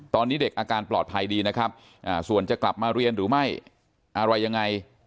ตอนนี้เด็กอาการปลอดภัยดีนะครับส่วนจะกลับมาเรียนหรือไม่อะไรยังไง